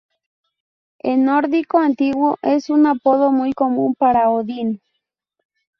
En nórdico antiguo es un apodo muy común para Odín.